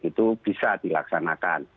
itu bisa dilaksanakan